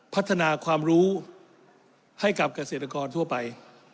พัฒนาความรู้ให้กับเกษตรกรทั่วไป